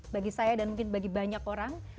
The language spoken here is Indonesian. bagi saya dan mungkin bagi banyak orang